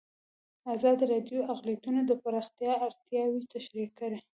ازادي راډیو د اقلیتونه د پراختیا اړتیاوې تشریح کړي.